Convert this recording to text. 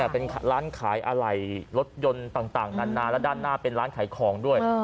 เป็นร้านขายอะไหล่รถยนต์ต่างนานและด้านหน้าเป็นร้านขายของด้วย